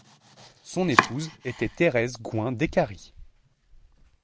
Son épouse était Thérèse Gouin Décarie.